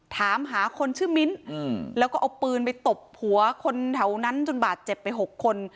ถามหาคนชื่อมิ้นแล้วก็เอาปืนไปตบหัวคนแถวนั้นจนบาดเจ็บไป๖คน